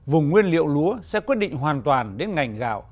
vùng nguyên liệu lúa sẽ quyết định hoàn toàn đến ngành gạo